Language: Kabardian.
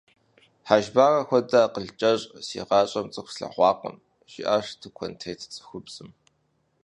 Хьэжбарэ хуэдэу акъыл кӀэщӀ си гъащӀэм цӀыху слъэгъуакъым, – жиӀащ тыкуэнтет цӀыхубзым.